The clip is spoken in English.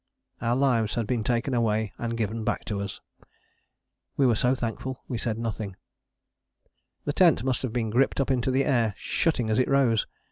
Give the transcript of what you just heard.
Our lives had been taken away and given back to us. We were so thankful we said nothing. The tent must have been gripped up into the air, shutting as it rose.